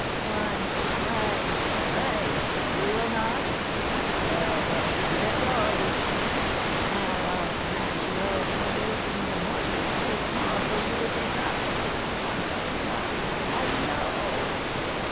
"Once, twice, thrice, you will not? Well, then, here goes! Now I'll smash your old timbers, into morsels too small for you to pick up. Hu! hu! hallo!